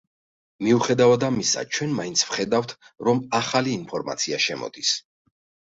მიუხედავად ამისა ჩვენ მაინც ვხედავთ, რომ ახალი ინფორმაცია შემოდის.